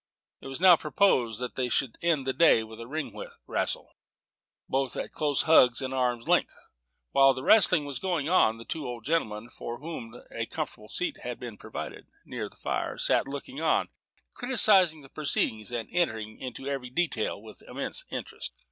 It was now proposed that they should end the day with a ring wrestle, both at close hugs and arms' length. While the wrestling was going on, the two old gentlemen, for whom a comfortable seat had been provided near the fire, sat looking on, criticising the proceedings, and entering into every detail with intense interest.